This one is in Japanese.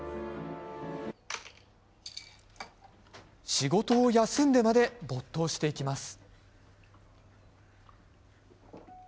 仕事を休んでまで没頭していきます。